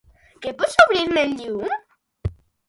Que pots obrir-me el llum?